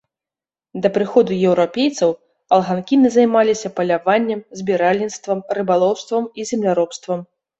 Да прыходу еўрапейцаў алганкіны займаліся паляваннем, збіральніцтвам, рыбалоўствам і земляробствам.